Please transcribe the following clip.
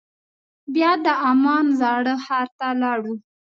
بیا د عمان زاړه ښار ته لاړو.